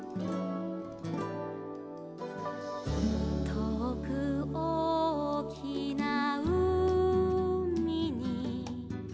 「とおくおおきなうみに」